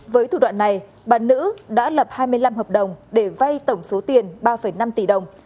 với thủ đoạn này bà nữ đã lập hai mươi năm hợp đồng để vay tổng số tiền ba năm tỷ đồng